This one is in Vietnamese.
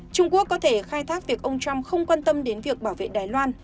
trung quốc có thể khai thác việc ông trump không quan tâm đến việc bảo vệ đài loan